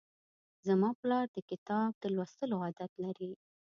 زما پلار د کتاب د لوستلو عادت لري.